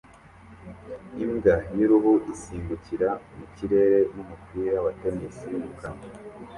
imbwa y'uruhu isimbukira mu kirere n'umupira wa tennis mu kanwa